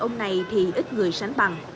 ông này thì ít người sánh bằng